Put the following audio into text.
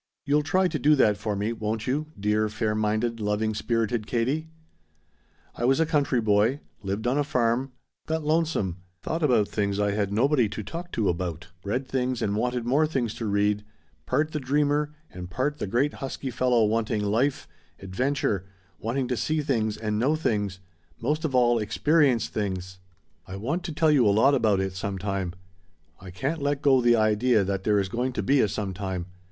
"You'll try to do that for me, won't you, dear fair minded, loving spirited Katie? "I was a country boy; lived on a farm, got lonesome, thought about things I had nobody to talk to about, read things and wanted more things to read, part the dreamer and part the great husky fellow wanting life, adventure, wanting to see things and know things most of all, experience things. I want to tell you a lot about it sometime. I can't let go the idea that there is going to be a sometime.